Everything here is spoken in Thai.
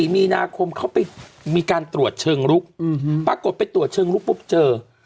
มีนาคมเขาไปมีการตรวจเชิงลุกปรากฏไปตรวจเชิงลุกปุ๊บเจอ